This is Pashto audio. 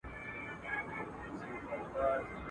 پاچهي وه د وطن د دنیادارو ..